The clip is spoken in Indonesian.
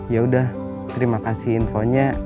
yaudah terima kasih infonya